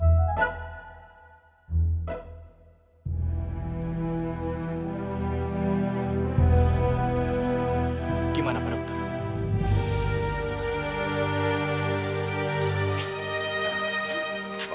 bagaimana para perempuan